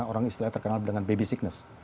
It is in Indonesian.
orang istilahnya terkenal dengan baby sickness